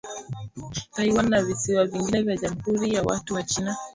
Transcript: Taiwan na visiwa vingine vya Jamhuri ya watu wa China